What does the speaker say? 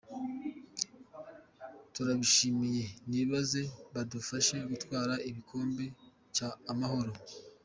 Turabishimiye nibaze badufashe gutwara igikombe cya amahoro.